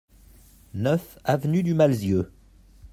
neuf avenue du Malzieu